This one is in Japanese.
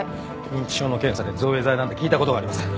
認知症の検査で造影剤なんて聞いたことがありません。